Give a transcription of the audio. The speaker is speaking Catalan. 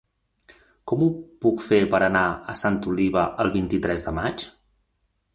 Com ho puc fer per anar a Santa Oliva el vint-i-tres de maig?